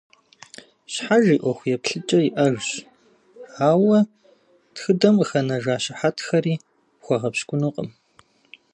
Щхьэж и ӏуэху еплъыкӏэ иӏэжщ, ауэ тхыдэм къыхэнэжа щыхьэтхэри пхуэгъэпщкӏунукъым.